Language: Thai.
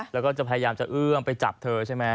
แล้วก็จะพยายามจะเอื้อมไปจับเธอใช่ไหม